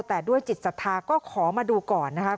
แต่ด้วยจิตศรัทธาก็ขอมาดูก่อนนะคะ